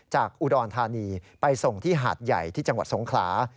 จากอุดรธานีไปส่งที่หาดใหญ่ที่จังหวัดสงขลา